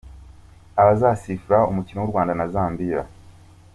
Abazasifura umukino w’u Rwanda na Zambia.